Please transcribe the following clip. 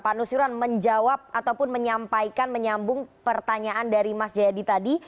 pak nusirwan menjawab ataupun menyampaikan menyambung pertanyaan dari mas jayadi tadi